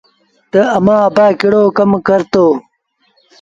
تا امآݩ ابآ ڪهڙو ڪم ڪرتو